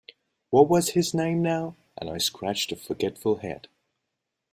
What was his name now?” And I scratched a forgetful head.